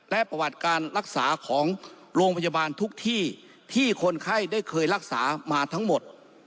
และประวัติการรักษาของโรงพยาบาลทุกที่ที่คนไข้ได้เคยรักษามาทั้งหมด